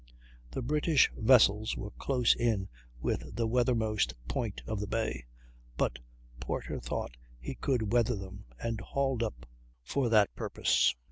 The British vessels were close in with the weather most point of the bay, but Porter thought he could weather them, and hauled up for that purpose.